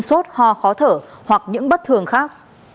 sốt hoa khó thở hoặc những bất thường khác